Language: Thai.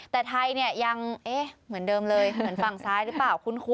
แต่ไทยเนี่ยยังเอ๊ะเหมือนเดิมเลยเหมือนฝั่งซ้ายหรือเปล่าคุ้น